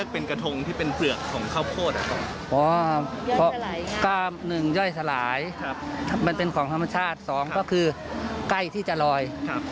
ก็คือมันช่วยอนุรักษ์ธรรมชาติได้ด้วย